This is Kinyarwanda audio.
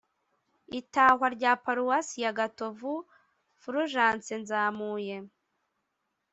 itahwa rya paruwasi ya gatovu fulgence nzamuye